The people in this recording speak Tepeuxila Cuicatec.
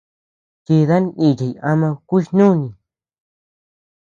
Chidan nichiy ama kuch-nùni.